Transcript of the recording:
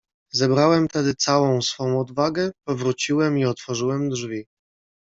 "Zebrałem tedy całą swą odwagę, powróciłem i otworzyłem drzwi."